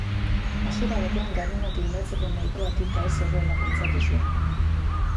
Hasiera batean garuna tindatzeko nahikoa tinta ez zegoela pentsatu zuen.